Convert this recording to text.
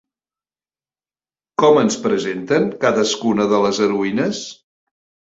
Com ens presenten cadascuna de les heroïnes?